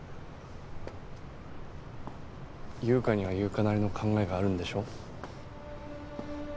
優香には優香なりの考えがあるんでしょ？